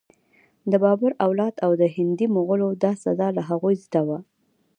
د بابر اولادې او هندي مغولو دا سزا له هغوی زده وه.